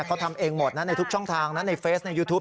เขาทำเองหมดนะในทุกช่องทางนะในเฟซในยูทูป